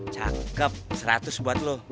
cakep seratus buat lu